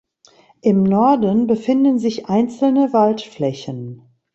Im Norden befinden sich einzelne Waldflächen.